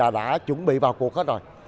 đã chuẩn bị vào cuộc hết rồi